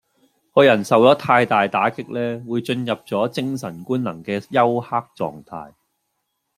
個人受咗太大打擊呢，會進入咗精神官能嘅休克狀態